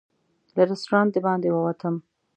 له رسټورانټ د باندې ووتم.